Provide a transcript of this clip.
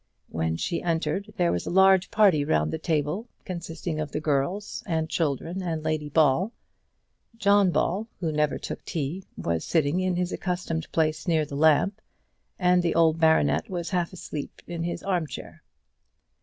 When she entered there was a large party round the table, consisting of the girls and children and Lady Ball. John Ball, who never took tea, was sitting in his accustomed place near the lamp, and the old baronet was half asleep in his arm chair.